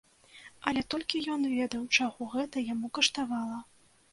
Але толькі ён ведаў, чаго гэта яму каштавала.